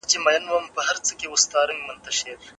د ناروغۍ په جریان کې د وزن کمېدل طبیعي دي.